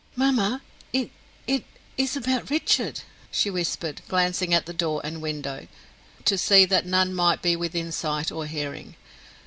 "Mamma, it it is about Richard," she whispered, glancing at the door and window, to see that none might be within sight or hearing.